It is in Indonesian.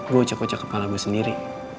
gue ucek ucek kepala gue sendiri